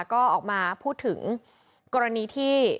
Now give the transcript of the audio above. ก็ออกมาพูดถึงกรณีที่